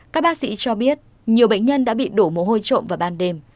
các bác sĩ cho biết nhiều bệnh nhân đã bị đổ mồ hôi trộm vào ban đêm